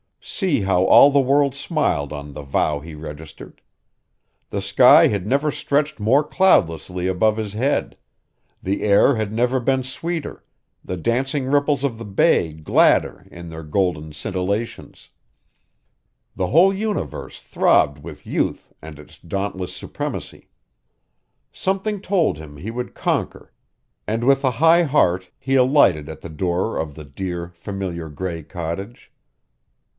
See how all the world smiled on the vow he registered. The sky had never stretched more cloudlessly above his head; the air had never been sweeter, the dancing ripples of the bay gladder in their golden scintillations. The whole universe throbbed with youth and its dauntless supremacy. Something told him he would conquer and with a high heart he alighted at the door of the dear, familiar gray cottage.